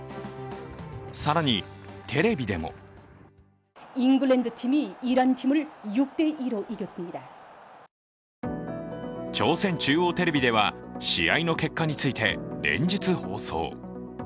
更に、テレビでも朝鮮中央テレビでは試合の結果について連日放送。